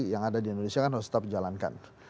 yang ada di indonesia kan harus tetap dijalankan